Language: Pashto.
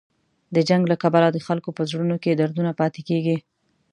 د جنګ له کبله د خلکو په زړونو کې دردونه پاتې کېږي.